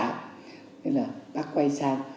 nên là bác quay sang